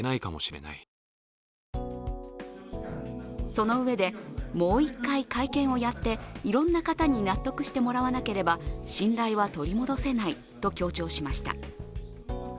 そのうえで、もう一回、会見をやっていろんな方に納得してもらわなけば信頼は取り戻せないと強調しました。